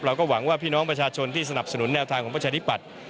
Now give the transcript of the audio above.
เราก็หวังว่าพี่น้องประชาชนที่สนับสนุนแนวทางของประชาธิปัตย์